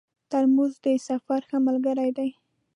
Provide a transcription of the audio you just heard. ترموز د سفر ښه ملګری دی.